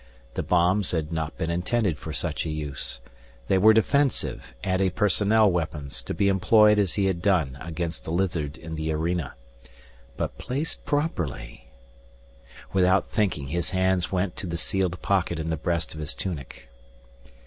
The bombs had not been intended for such a use. They were defensive, anti personal weapons to be employed as he had done against the lizard in the arena. But placed properly Without thinking his hands went to the sealed pocket in the breast of his tunic.